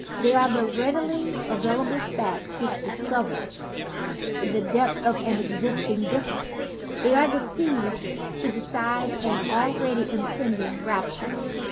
They are "the readily available facts which discover the depth of an existing difference; they are seized to decide an already impending rupture."